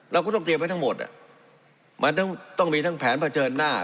เราก็ต้องเตรียมไว้ทั้งหมดมันต้องมีทั้งแผนเผชิญหน้า